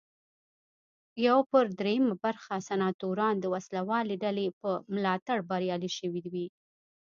یو پر درېیمه برخه سناتوران د وسله والې ډلې په ملاتړ بریالي شوي وي.